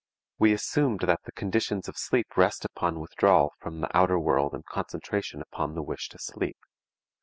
We assumed that the conditions of sleep rest upon withdrawal from the outer world and concentration upon the wish to sleep.